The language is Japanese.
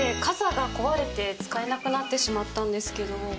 傘が壊れて使えなくなってしまったんですけど。